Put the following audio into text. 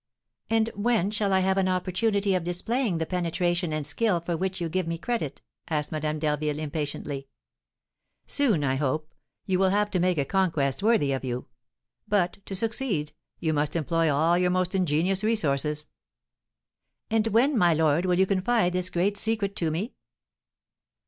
"And when shall I have an opportunity of displaying the penetration and skill for which you give me credit?" asked Madame d'Harville, impatiently. "Soon, I hope, you will have to make a conquest worthy of you; but, to succeed, you must employ all your most ingenious resources." "And when, my lord, will you confide this great secret to me?"